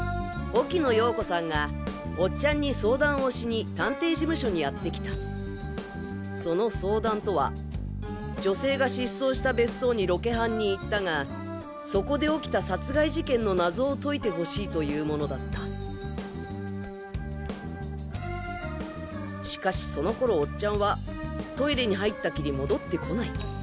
沖野ヨーコさんがおっちゃんに相談をしに探偵事務所にやってきたその相談とは女性が失踪した別荘にロケハンに行ったがそこで起きた殺害事件の謎を解いてほしいというものだったしかしそのころおっちゃんはトイレに入ったきり戻ってこない。